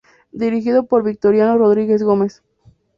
Dirigido por Victoriano Rodríguez Gómez.